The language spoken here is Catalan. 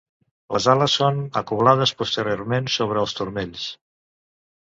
Les ales són acoblades posteriorment, sobre els turmells.